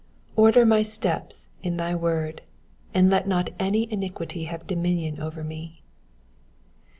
133 Order my steps in thy word : and let not any iniquity have dominion over me.